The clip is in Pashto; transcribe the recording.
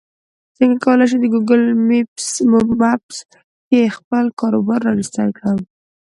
څنګه کولی شم د ګوګل مېپس کې خپل کاروبار راجستر کړم